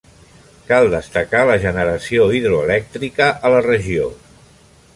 Cal destacar la generació hidroelèctrica a la regió.